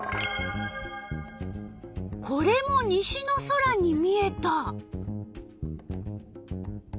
これも西の空に見えた。